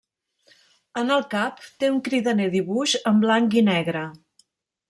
En el cap té un cridaner dibuix en blanc i negre.